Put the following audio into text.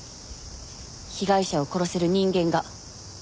被害者を殺せる人間が。